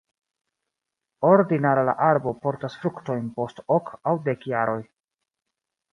Ordinara la arbo portas fruktojn post ok aŭ dek jaroj.